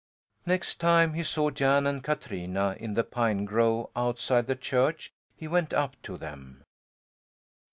Next time he saw Jan and Katrina in the pine grove outside the church, he went up to them.